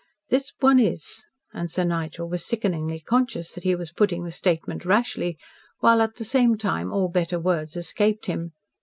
"This one is." And Sir Nigel was sickeningly conscious that he was putting the statement rashly, while at the same time all better words escaped him.